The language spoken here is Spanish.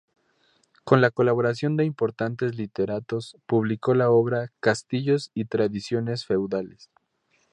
Con la colaboración de importantes literatos publicó la obra "Castillos y tradiciones feudales".